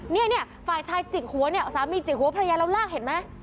เนี่ยฝ่ายชายจิกหัวเนี่ยสามีจิกหัวภรรยาแล้วลากเห็นไหม